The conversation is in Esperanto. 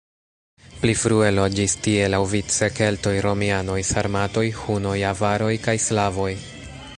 Pli frue loĝis tie laŭvice keltoj, romianoj, sarmatoj, hunoj, avaroj kaj slavoj.